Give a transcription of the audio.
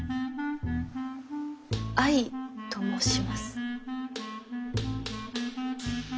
愛と申します。